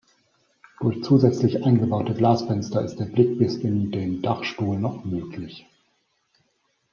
Durch zusätzlich eingebaute Glasfenster ist der Blick bis in den Dachstuhl noch möglich.